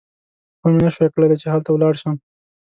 خو ومې نه شوای کړای چې هلته ولاړ شم.